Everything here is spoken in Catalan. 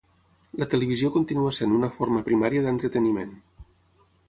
La televisió continua sent una forma primària d'entreteniment.